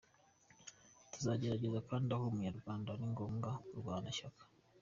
Tuzagerageza kandi aho Umunyarwanda ari agomba kurwana ishyaka.